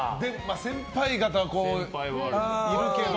先輩方、いるけど